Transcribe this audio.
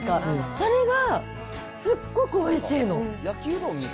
それがすっごくおいしいの。